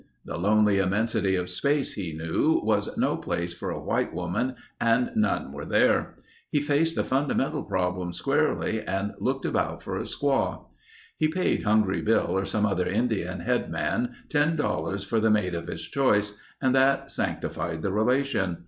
The lonely immensity of space he knew, was no place for a white woman and none were there. He faced the fundamental problem squarely and looked about for a squaw. He paid Hungry Bill or some other Indian head man $10 for the mate of his choice and that sanctified the relation.